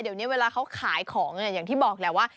เดี๋ยวนี้เวลาเขาขายของอย่างที่บอกแหละว่า